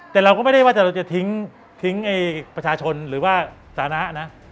แต่เราก็ไม่ได้ว่าเราจะทิ้งประชาชนหรือว่าสถานะนะ